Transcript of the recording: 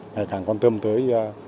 ngày càng quan tâm tới